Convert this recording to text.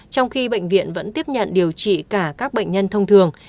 trong khi bệnh viện vẫn tiếp nhận điều trị cả các bệnh nhân thông thường